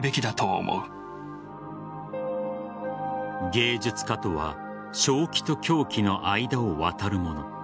芸術家とは正気と狂気の間を渡るもの。